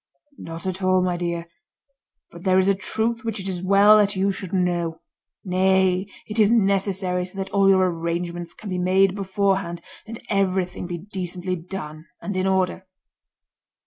"Not at all, my dear; but there is a truth which it is well that you should know. Nay, it is necessary so that all your arrangements can be made beforehand, and everything be decently done and in order."